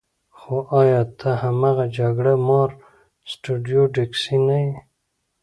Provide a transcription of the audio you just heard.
خو ایا ته هماغه جګړه مار سټیو ډیکسي نه یې